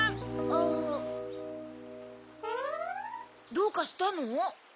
どうかしたの？